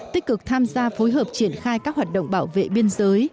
tích cực tham gia phối hợp triển khai các hoạt động bảo vệ biên giới